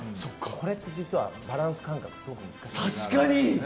これって実は、バランス感覚がすごく難しいんです。